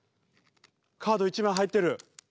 カード１枚入ってる。